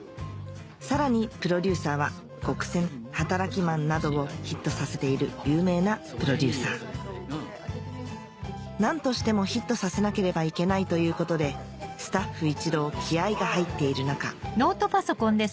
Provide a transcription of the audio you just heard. さらにプロデューサーは『ごくせん』『働きマン』などをヒットさせている有名なプロデューサー何としてもヒットさせなければいけないということでスタッフ一同気合が入っている中